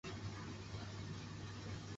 七十五年台大聘为荣誉教授。